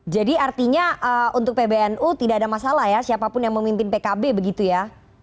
artinya untuk pbnu tidak ada masalah ya siapapun yang memimpin pkb begitu ya